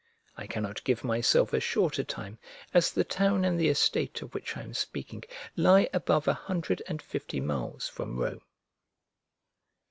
I cannot give myself a shorter time, as the town and the estate of which I am speaking lie above a hundred and fifty miles from Rome.